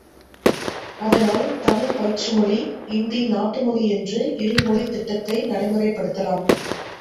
அதனால் தமிழ் பயிற்றுமொழி, இந்தி நாட்டு மொழி என்ற இரு மொழித் திட்டத்தை நடைமுறைப் படுத்தலாம்.